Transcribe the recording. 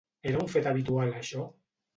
Era un fet habitual això?